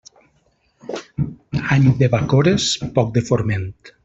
Any de bacores, poc de forment.